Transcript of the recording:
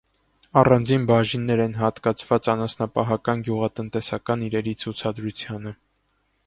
Առանձին բաժիններ են հատկացված անասնապահական, գյուղատնտեսական իրերի ցուցադրությանը։